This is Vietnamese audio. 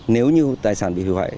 nếu như tài sản bị hủy hoại